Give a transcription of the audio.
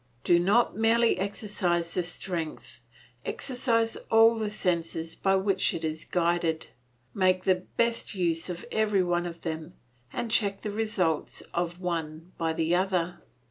Do not merely exercise the strength, exercise all the senses by which it is guided; make the best use of every one of them, and check the results of one by the other.